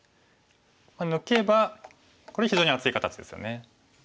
抜けばこれ非常に厚い形ですよね。